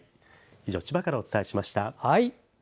以上、千葉からお伝えしました。